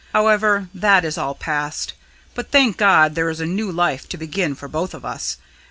However, that is all past. But thank God there is a new life to begin for both of us.